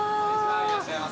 いらっしゃいませ。